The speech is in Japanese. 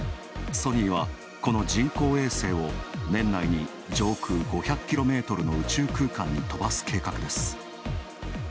ソニーは、この人工衛星を年内に上空５００ｋｍの宇宙空間に飛ばす計画です。